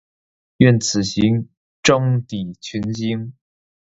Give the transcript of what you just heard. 愿此行，终抵群星。